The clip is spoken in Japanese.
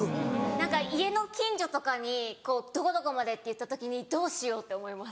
何か家の近所とかに「どこどこまで」って言った時にどうしようって思います。